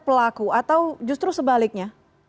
pelaku atau justru sebaliknya